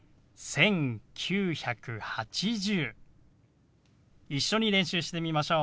１９８０。